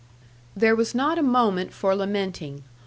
There was not a moment for lamenting.